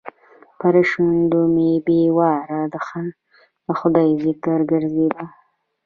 پر شونډو مې بې واره د خدای ذکر ګرځېده.